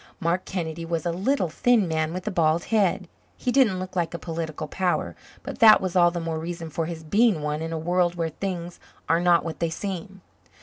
Mark Kennedy was a little, thin man with a bald head. He didn't look like a political power, but that was all the more reason for his being one in a world where things are not what they seem.